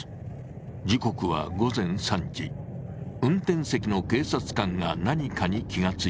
時刻は運転席の警察官が何かに気が付いた。